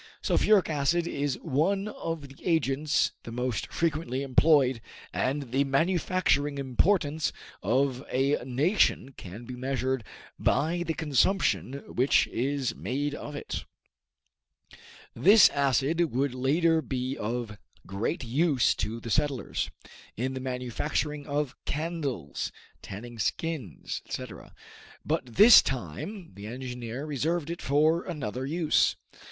Sulphuric acid is one of the agents the most frequently employed, and the manufacturing importance of a nation can be measured by the consumption which is made of it. This acid would later be of great use to the settlers, in the manufacturing of candles, tanning skins, etc., but this time the engineer reserved it for another use.